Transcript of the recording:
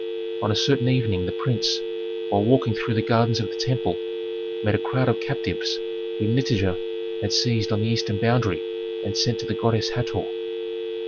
On a certain evening the prince, while walking through the gardens of the temple, met a crowd of captives whom Nitager had seized on the eastern boundary and sent to the goddess Hator.